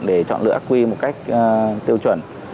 để chọn lựa ác quy một cách tiêu chuẩn